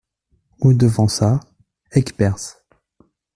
Route de Vensat, Aigueperse